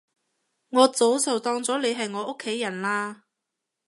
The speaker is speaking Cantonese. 我早就當咗你係我屋企人喇